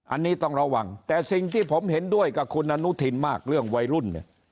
อันนี้ต้องระวังแต่สิ่งที่ผมเห็นด้วยกับคุณอนุทินมากเรื่องวัยรุ่นเนี่ย